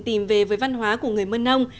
tìm về với văn hóa của người mân nông